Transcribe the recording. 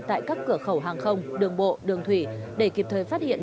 tại các cửa khẩu hàng không đường bộ đường thủy để kịp thời phát hiện